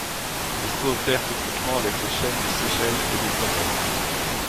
Elle coopère techniquement avec les chaînes des Seychelles et des Comores.